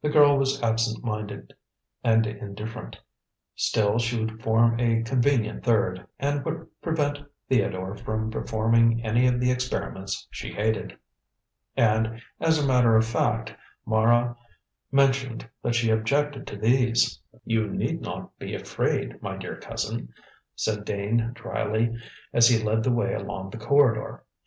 The girl was absentminded and indifferent; still she would form a convenient third, and would prevent Theodore from performing any of the experiments she hated. And, as a matter of fact, Mara mentioned that she objected to these. "You need not be afraid, my dear cousin," said Dane dryly, as he led the way along the corridor.